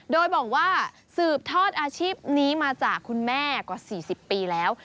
โดยบอกว่าสืบทอดอาชีพนี้มาจากคุณแม่กว่า๔๐ปีแล้ว